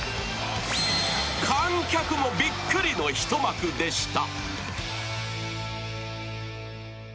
観客もびっくりの一幕でした。